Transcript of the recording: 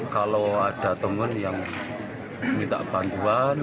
kalau ada teman yang minta bantuan